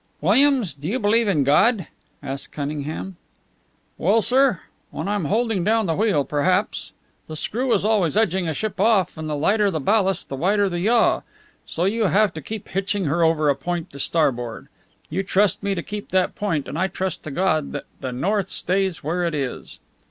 "Williams, do you believe in God?" asked Cunningham. "Well, sir, when I'm holding down the wheel perhaps. The screw is always edging a ship off, and the lighter the ballast the wider the yaw. So you have to keep hitching her over a point to starboard. You trust to me to keep that point, and I trust to God that the north stays where it is."